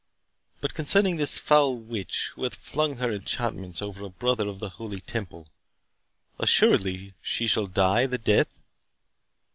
But concerning this foul witch, who hath flung her enchantments over a brother of the Holy Temple, assuredly she shall die the death."